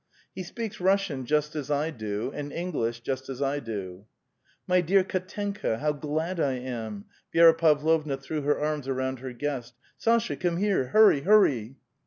''He speaks Russian just as I do, and English just as I do." " My dear Kdtenkn, how glad I am !" Vi6ra Pavlovna threw her arms around her guest. —" Sasha, come here! hurry, hurry